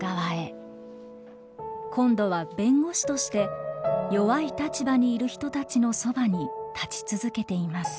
今度は弁護士として弱い立場にいる人たちのそばに立ち続けています。